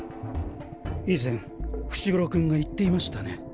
以前伏黒君が言っていましたね